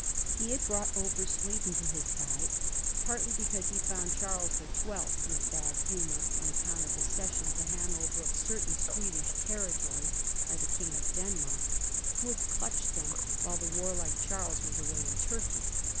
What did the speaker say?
He had brought over Sweden to his side, partly because he found Charles the Twelfth in a bad humour on account of the cession to Hanover of certain Swedish territories by the King of Denmark, who had clutched them while the warlike Charles was away in Turkey.